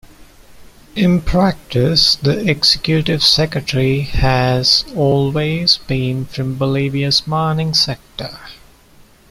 In practice, the Executive Secretary has always been from Bolivia's mining sector.